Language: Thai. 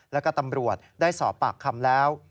แล้วก็ตำรวจได้สอบปากคำแล้ว